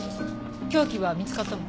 凶器は見つかったの？